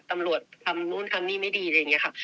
ตำรวจทำนู่นทำนี่ไม่ดีอะไรอย่างนี้ค่ะ